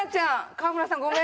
川村さんごめん。